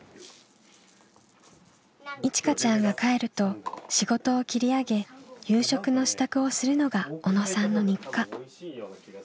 いちかちゃんが帰ると仕事を切り上げ夕食の支度をするのが小野さんの日課。